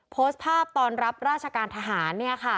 โพสต์ภาพตอนรับราชการทหาร